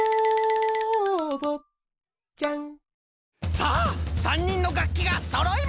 さあ３にんのがっきがそろいました！